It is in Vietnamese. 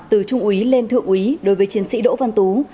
từ trung úy lên thượng úy đối với chiến sĩ đỗ văn tú